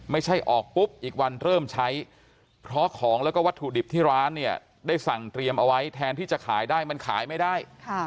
ไม่ใช่ออกปุ๊บอีกวันเริ่มใช้เพราะของแล้วก็วัตถุดิบที่ร้านเนี่ยได้สั่งเตรียมเอาไว้แทนที่จะขายได้มันขายไม่ได้